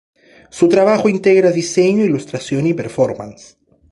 Su trabajo integra diseño, ilustración y performance.